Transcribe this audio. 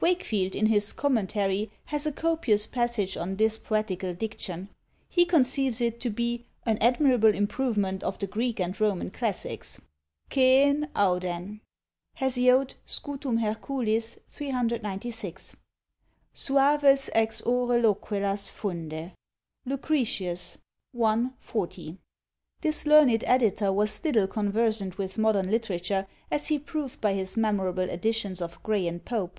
Wakefield in his "Commentary" has a copious passage on this poetical diction. He conceives it to be "an admirable improvement of the Greek and Roman classics:" ÎẃáỳÎṁÎẄ ÎḟÏ ÎṀáỳḂÎẄ: HES. Scut. Her. 396. Suaves ex ore loquelas Funde. LUCRET. i. 40. This learned editor was little conversant with modern literature, as he proved by his memorable editions of Gray and Pope.